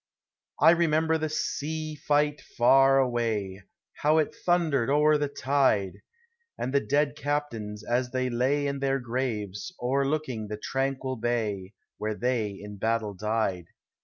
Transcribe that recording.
I remember the sea tight far away, How it thundered o'er the tide! Ami the dead captains, as they lay In their graves, o'erlooking the tranquil bay Where they in battle died.